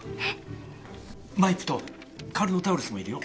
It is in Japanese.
マイプとカルノタウルスもいるよ。